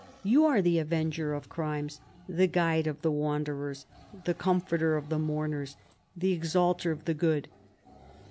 ITou are the avenger of crimes, the guide of the wan derers, the comforter of the mourners, the exalter of the good.